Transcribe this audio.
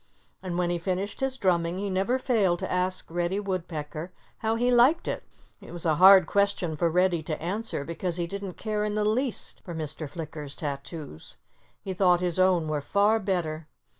And when he finished his drumming he never failed to ask Reddy Woodpecker how he liked it. It was a hard question for Reddy to answer, because he didn't care in the least for Mr. Flicker's tattoos. He thought his own were far better.